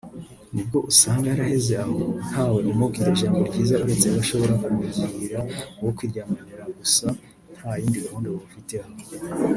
nibwo usanga yaraheze aho ntawe umubwira ijambo ryiza uretse abashobora kumugira uwo kwiryamanira gusa nta yindi gahunda bamufiteho